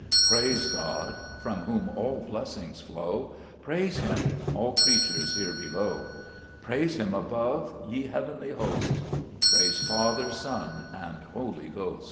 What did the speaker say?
7 Praise God from whom all blessings flow ; Praise Him, all creatures here below ; Praise Him above, ye heavenly host : Praise Father, Son, and Holy Ghost.